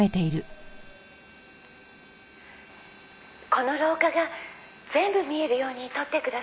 「この廊下が全部見えるように撮ってくださいね」